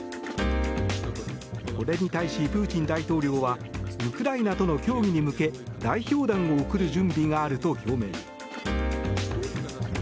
これに対し、プーチン大統領はウクライナとの協議に向け代表団を送る準備があると表明。